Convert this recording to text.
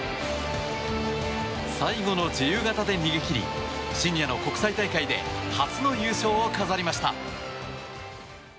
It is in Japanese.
最後の自由形で逃げ切りシニアの国際大会で初の優勝を飾りました。